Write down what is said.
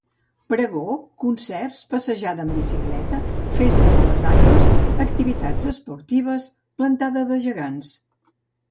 Pregó, concerts, passejada en bicicleta, festa de les aigües, activitats esportives, plantada de gegants.